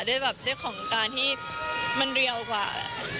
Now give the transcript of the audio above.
ด้วยของการที่มันเรียลกว่า